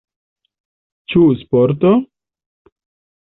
Ĉu sporto?